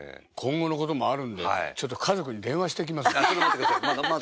今後のこともあるんでちょっと家族に電話してきます。